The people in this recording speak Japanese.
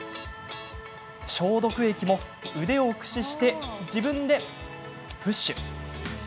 消毒液も腕を駆使して自分でプッシュ。